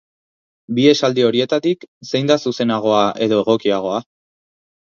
Bi esaldi horietatik, zein da zuzenagoa ed egokiagoa?